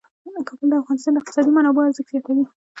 کابل د افغانستان د اقتصادي منابعو ارزښت زیاتوي.